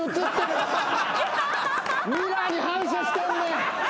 ミラーに反射してんねん。